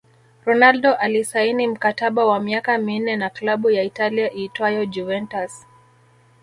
Ronaldo alisaini mkataba wa miaka minne na klabu ya Italia iitwayo Juventus